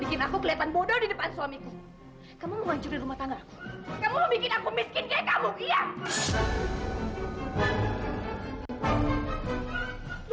kamu itu pura pura bodoh pura pura polos